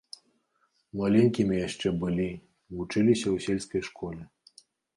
Маленькімі яшчэ былі, вучыліся ў сельскай школе.